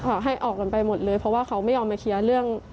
ให้ออกกันไปหมดเลยเพราะว่าเขาไม่ยอมมาเคลียร์เรื่อง